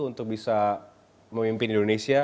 untuk bisa memimpin indonesia